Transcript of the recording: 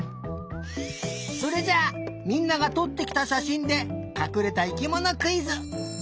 それじゃあみんながとってきたしゃしんでかくれた生きものクイズ！